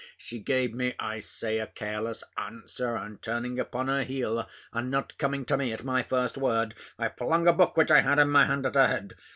She gave me, I say, a careless answer, and turning upon her heel; and not coming to me at my first word, I flung a book which I had in my hand, at her head.